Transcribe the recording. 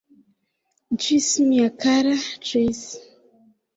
Ĝis, mia kara, ĝis!